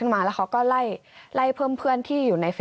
ในวันนั้นเนี่ยเหรอ